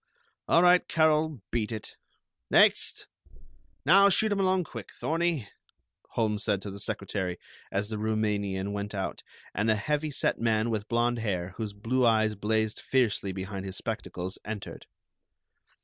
All right, Carol, beat it. Next! Now shoot 'em along quick, Thorney," Holmes said to the secretary, as the Roumanian went out, and a heavy set man with blond hair, whose blue eyes blazed fiercely behind his spectacles, entered.